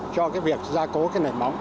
cho việc gia cố nền móng